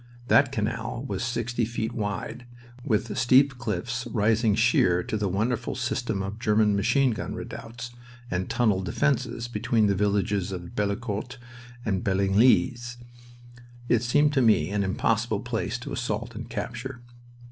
That canal was sixty feet wide, with steep cliffs rising sheer to a wonderful system of German machine gun redoubts and tunneled defenses, between the villages of Bellicourt and Bellinglis. It seemed to me an impossible place to assault and capture.